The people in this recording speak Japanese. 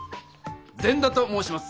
善田と申します。